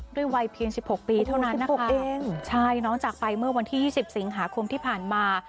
ด้วยวัยเพียง๑๖ปีเท่านั้นนะคะใช่น้องจักรไปเมื่อวันที่๒๐สิงหาคมที่ผ่านมา